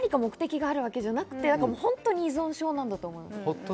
目的があるわけじゃなくて、本当に依存症なんだと思います。